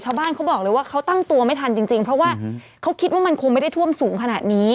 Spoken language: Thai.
ชาวบ้านเขาบอกเลยว่าเขาตั้งตัวไม่ทันจริงเพราะว่าเขาคิดว่ามันคงไม่ได้ท่วมสูงขนาดนี้